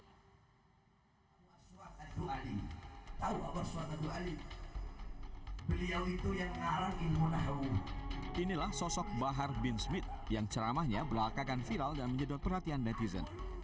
inilah sosok bahar bin smith yang ceramahnya belakang viral dan menyedot perhatian netizen